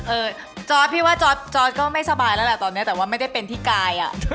จอร์ดพี่ว่าจอร์ดก็ไม่สบายแล้วแหละตอนนี้แต่ว่าไม่ได้เป็นพี่กาย